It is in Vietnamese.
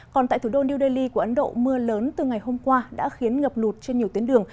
còn tại thủ đô new delhi của ấn độ mưa lớn từ ngày hôm qua đã khiến ngập lụt trên nhiều tuyến đường